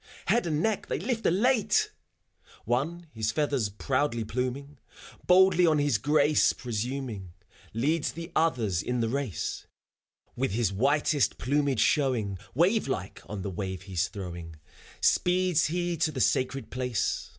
Head and neck they lift elate! ... One, his feathers proudly pluming, Boldly on his grace presuming. Leads the others in the race; With his whitest plumage showing Wave like on the wave he's throwing, Speeds he to the sacred place.